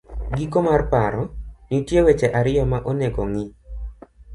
giko mar paro .nitie weche ariyo ma onego ng'i.